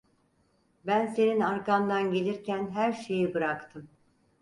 Ben senin arkandan gelirken her şeyi bıraktım.